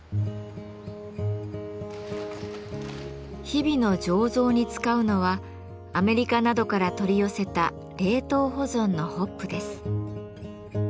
日々の醸造に使うのはアメリカなどから取り寄せた冷凍保存のホップです。